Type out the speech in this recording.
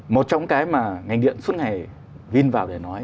một trong cái mà ngành điện suốt ngày vin vào để nói